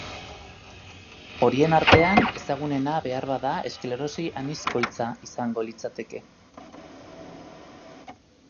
Horien artean, ezagunena, beharbada, esklerosi anizkoitza izango litzateke.